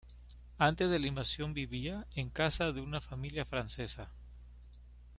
Antes de la invasión vivía en casa de una familia francesa.